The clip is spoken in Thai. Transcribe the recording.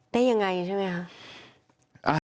ได้ยังไงใช่มั้ยครับ